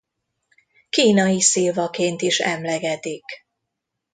Kínai szilvaként is emlegetik.